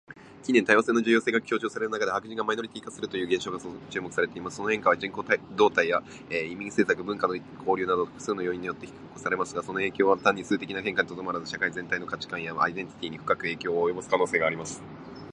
近年、多様性の重要性が強調される中で、白人がマイノリティ化するという現象が注目されています。この変化は、人口動態や移民政策、文化の交流など複数の要因によって引き起こされていますが、その影響は単に数的な変化にとどまらず、社会全体の価値観やアイデンティティに深く影響を及ぼす可能性があります。